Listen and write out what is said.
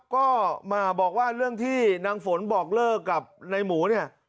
ก็มาบอกว่าเรื่องที่นางฝนบอกเลิกกับนายหมูเนี่ย